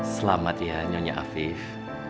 selamat ya nyonya afif